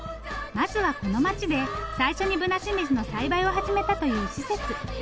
まずはこの町で最初にぶなしめじの栽培を始めたという施設。